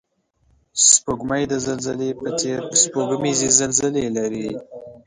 سپوږمۍ د زلزلې په څېر سپوږمیزې زلزلې لري